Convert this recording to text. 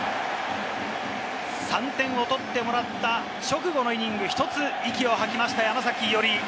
３点を取ってもらった直後のイニング、ひとつ息を吐きました、山崎伊織。